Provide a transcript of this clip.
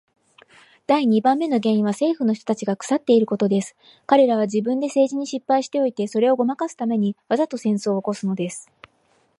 第二番目の原因は政府の人たちが腐っていることです。彼等は自分で政治に失敗しておいて、それをごまかすために、わざと戦争を起すのです。